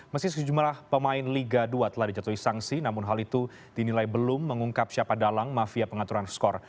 meski sejumlah pemain liga dua telah dijatuhi sanksi namun hal itu dinilai belum mengungkap siapa dalang mafia pengaturan skor